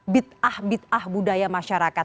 bit'ah bit'ah budaya masyarakat